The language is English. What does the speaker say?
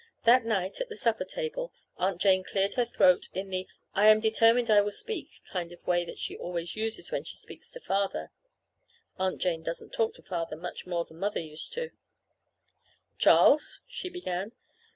That night at the supper table Aunt Jane cleared her throat in the I am determined I will speak kind of a way that she always uses when she speaks to Father. (Aunt. Jane doesn't talk to Father much more than Mother used to.) "Charles," she began.